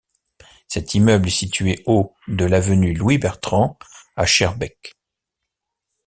Cet immeuble est situé au de l'avenue Louis Bertrand à Schaerbeek.